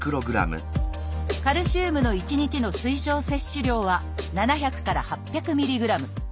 カルシウムの１日の推奨摂取量は７００から８００ミリグラム。